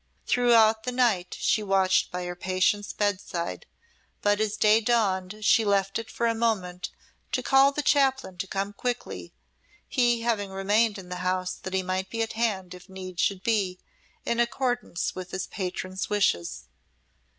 Throughout the night she watched by her patient's bedside, but as day dawned she left it for a moment to call the Chaplain to come quickly, he having remained in the house that he might be at hand if need should be, in accordance with his patron's wishes.